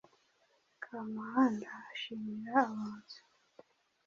Kamuhanda ashimira abunzi,